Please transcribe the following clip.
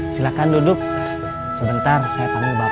silahkan duduk sebentar saya pamung bapak